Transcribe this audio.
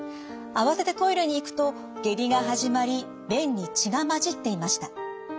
慌ててトイレに行くと下痢が始まり便に血が混じっていました。